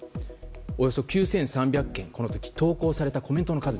およそ９３００件投稿されたコメントの数。